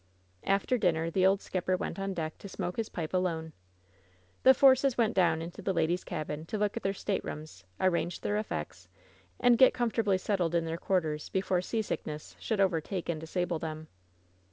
After dinner the old skipper went on deck to smoke his pipe alone. The Forces went down into the ladies' cabin, to look at their staterooms, arrange their effects, and get com fortably settled in their quarters before seasickness should overtake and disable them.